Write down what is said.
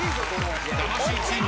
魂チーム